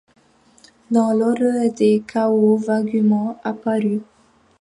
Dans l’horreur des chaos vaguement apparus